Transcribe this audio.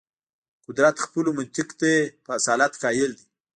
قدرت خپلو منطق ته په اصالت قایل دی.